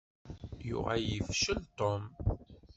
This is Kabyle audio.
Yuɣal yefcel Tom.